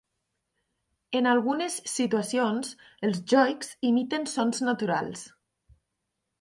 En algunes situacions, els joiks imiten sons naturals.